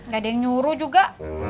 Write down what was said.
gak ada yang nyuruh juga